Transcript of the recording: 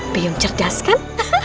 biung cerdas kan